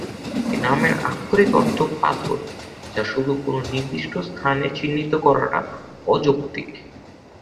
এই নামের আক্ষরিক অর্থ "পাথর" যা শুধু কোন নির্দিষ্ট স্থানে চিহ্নিত করাটা অযৌক্তিক।